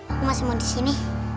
aku masih mau disini